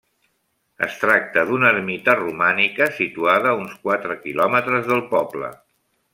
Es tracta d'una ermita romànica situada a uns quatre quilòmetres del poble.